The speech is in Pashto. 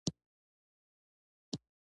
په غارونو کې ژوند کول پخوانی و